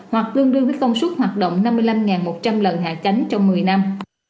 hoặc tương đương với công suất hoạt động năm mươi năm một trăm linh lần hạ cánh trong một mươi năm